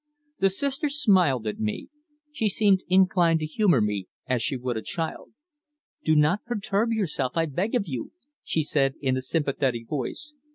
The Sister smiled at me. She seemed inclined to humour me as she would a child. "Do not perturb yourself, I beg of you," she said in a sympathetic voice.